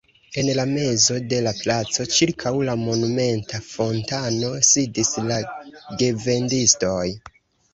En la mezo de la placo, ĉirkaŭ la monumenta fontano, sidis la gevendistoj.